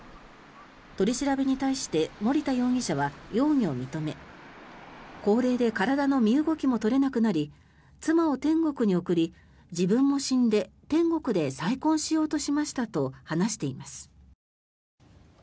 取り調べに対して森田容疑者は容疑を認め「高齢で体の身動きもとれなくなり妻を天国に送り自分も死んで天国で再婚しようとしました」と話しています。